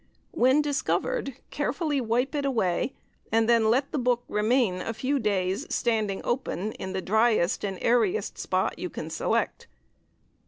When discovered, carefully wipe it away, and then let the book remain a few days standing open, in the driest and airiest spot you can select.